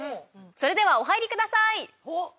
それではお入りください！